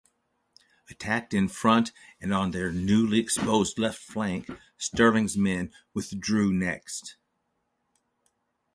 Attacked in front and on their newly exposed left flank, Stirling's men withdrew next.